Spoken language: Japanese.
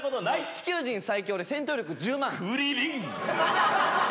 地球人最強で戦闘力１０万クリリン！